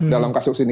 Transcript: dalam kasus ini